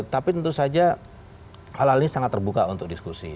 tapi tentu saja hal hal ini sangat terbuka untuk diskusi